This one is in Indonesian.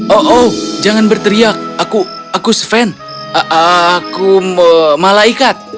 oh oh jangan berteriak aku sven aku malaikat